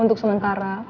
untuk sementara pak amar